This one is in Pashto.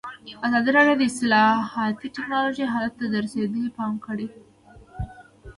ازادي راډیو د اطلاعاتی تکنالوژي حالت ته رسېدلي پام کړی.